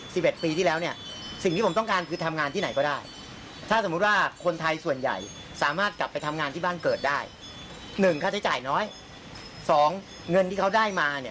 สองเงินที่เขาได้มาเนี่ย